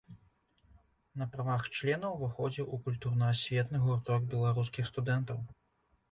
На правах члена ўваходзіў у культурна-асветны гурток беларускіх студэнтаў.